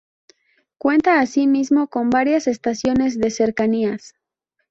Cuenta así mismo con varias estaciones de cercanías.